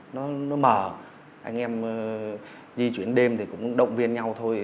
nó mở anh em di chuyển đêm thì cũng động viên nhau thôi